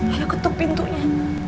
ayo ketuk pintunya